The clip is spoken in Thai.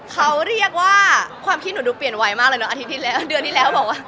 เขาเรียกว่าความคิดหนูดูเปลี่ยนไวมากเลยเนาะอาทิตย์ที่แล้วเดือนที่แล้วบอกว่า